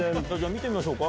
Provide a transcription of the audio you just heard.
見てみましょうか。